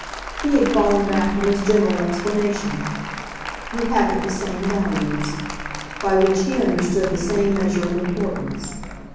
He had fallen back on his general explanation "We haven't the same values;" by which he understood the same measure of importance.